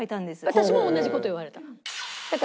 私も同じ事言われた。